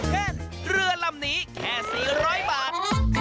เฮ่เรือลำหนีแค่สี่ร้อยบาท